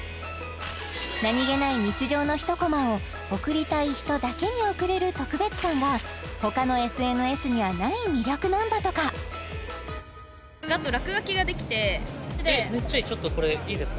何気ない日常の一コマを送りたい人だけに送れる特別感が他のＳＮＳにはない魅力なんだとかちょっとこれいいですか？